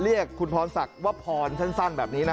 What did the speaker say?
และก็มีการกินยาละลายริ่มเลือดแล้วก็ยาละลายขายมันมาเลยตลอดครับ